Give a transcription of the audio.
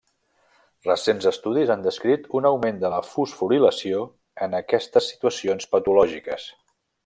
Recents estudis han descrit un augment de la fosforilació en aquestes situacions patològiques.